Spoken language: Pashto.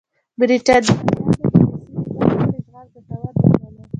برېټانویانو د دې سیمې بشپړ اشغال ګټور نه باله.